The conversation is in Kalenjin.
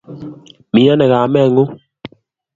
Miano kameng'ung'?